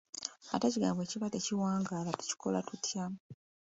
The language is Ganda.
Ate ekigambo bwe kiba nga tekiwangaala, tukikola tutya?